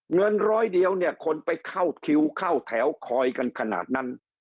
เงินร้อยเดียวเนี่ยคนไปเข้าคิวเข้าแถวคอยกันขนาดนั้น